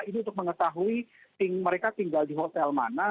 itu untuk mengetahui mereka tinggal di hotel man